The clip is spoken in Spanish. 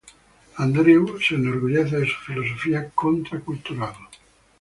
Andrew se enorgullece de su filosofía contra cultural.